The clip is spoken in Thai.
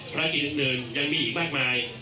ภารกิจอื่นยังมีอีกมากมาย